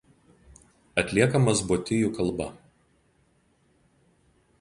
Atliekamas botijų kalba.